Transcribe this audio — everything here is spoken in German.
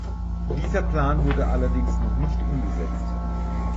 Dieser Plan wurde allerdings noch nicht umgesetzt.